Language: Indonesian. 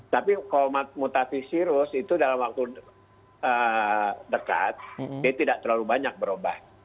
tapi kalau mutasi virus itu dalam waktu dekat dia tidak terlalu banyak berubah